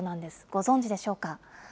ご存じでしょうか。